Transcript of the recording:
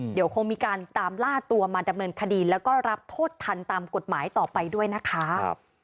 เดี๋ยวคงมีการตามล่าตัวมาดำเนินคดีแล้วก็รับโทษทันตามกฎหมายต่อไปด้วยนะคะ